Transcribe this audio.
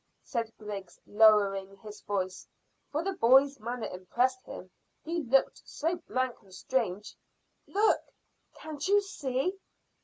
said Griggs, lowering his voice, for the boy's manner impressed him, he looked so blank and strange. "Look! Can't you see?"